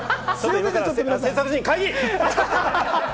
制作陣、会議！